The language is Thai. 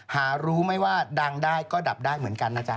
หารู้ไหมว่าดังได้ก็ดับได้เหมือนกันนะจ๊